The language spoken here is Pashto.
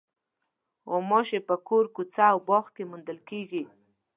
غوماشې په کور، کوڅه او باغ کې موندل کېږي.